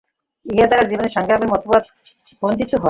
ইহা দ্বারা জীবন-সংগ্রামের মতবাদ খণ্ডিত হয়।